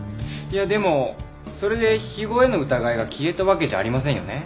いやでもそれで肥後への疑いが消えたわけじゃありませんよね。